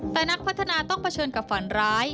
แต่นักพัฒนาต้องเผชิญกับฝันร้าย